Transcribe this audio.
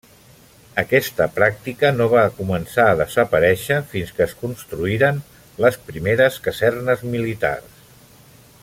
Aquesta pràctica no va començar a desaparèixer fins que es construïren les primeres casernes militars.